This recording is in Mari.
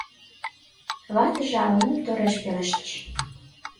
Ватыже ала-мом тореш пелештыш.